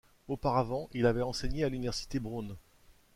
Auparavant, il avait enseigné à l’université Brown.